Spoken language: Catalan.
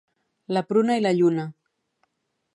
La pruna i la lluna